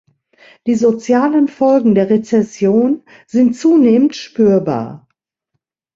Die sozialen Folgen der Rezession sind zunehmend spürbar.